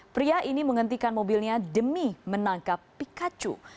pria ini menghentikan mobilnya demi menangkap pikachu